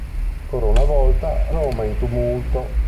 Ancora una volta, Roma è in tumulto.